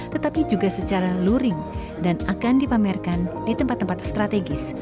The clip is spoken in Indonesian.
tetapi juga secara luring dan akan dipamerkan di tempat tempat strategis